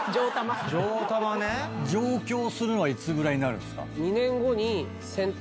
上京するのはいつぐらいになるんですか？